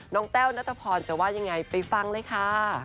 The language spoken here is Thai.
น้องแต้วนัตตาพอร์จะว่ายังไงไปฟังเลยค่ะ